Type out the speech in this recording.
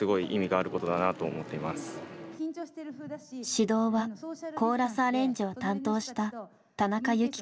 指導はコーラスアレンジを担当した田中雪子さん。